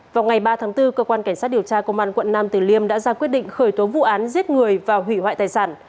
vào ngày ba tháng bốn cơ quan cảnh sát điều tra công an quận nam tử liêm đã ra quyết định khởi tố vụ án giết người và hủy hoại tài sản